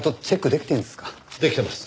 できてます。